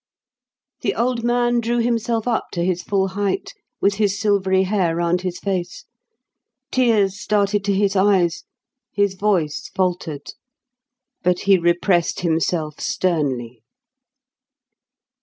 The old man drew himself up to his full height, with his silvery hair round his face. Tears started to his eyes; his voice faltered. But he repressed himself sternly.